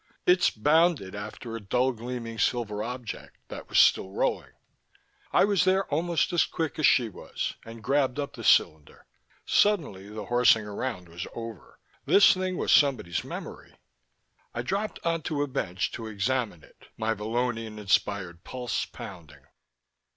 Itz bounded after a dull gleaming silver object that was still rolling. I was there almost as quick as she was and grabbed up the cylinder. Suddenly the horsing around was over. This thing was somebody's memory. I dropped onto a bench to examine it, my Vallonian inspired pulse pounding.